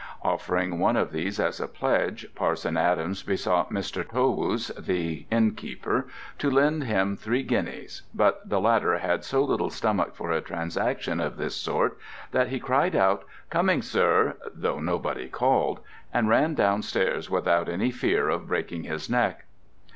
Offering one of these as a pledge, Parson Adams besought Mr. Tow Wouse, the innkeeper, to lend him three guineas but the latter had so little stomach for a transaction of this sort that "he cried out, 'Coming, sir,' though nobody called; and ran downstairs without any fear of breaking his neck."